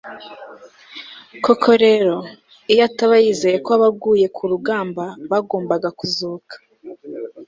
koko rero, iyo ataba yizeye ko abaguye ku rugamba bagombaga kuzuka